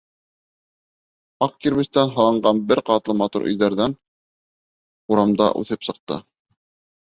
Аҡ кирбестән һалынған бер ҡатлы матур өйҙәрҙән урамдар үҫеп сыҡты.